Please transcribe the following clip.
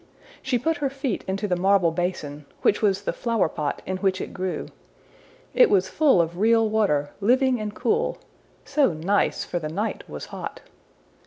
She put her feet into the marble basin, which was the flowerpot in which it grew. It was full of real water, living and cool so nice, for the night was hot!